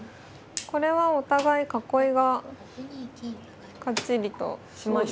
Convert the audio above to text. これはお互い囲いがかっちりとしましたね。